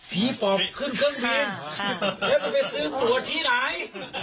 ต้องบ่นแล้วก็บอกด้วย